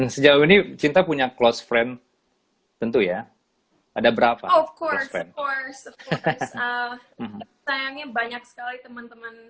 sejauh ini cinta punya close friend tentu ya ada berapa of course of course sayangnya banyak sekali temen temen